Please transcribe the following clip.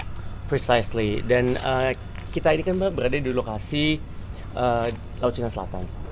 tepat sekali dan kita ini kan berada di lokasi laut cina selatan